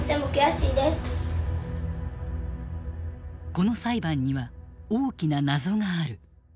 この裁判には大きな謎がある。